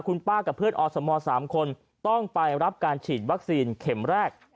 คุณป้ากับเพื่อนอสม๓คนต้องไปรับการฉีดวัคซีนเข็มแรก